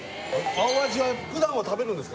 アオアジ、ふだんは食べるんですか？